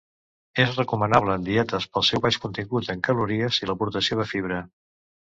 És recomanable en dietes pel seu baix contingut en calories i l'aportació de fibra.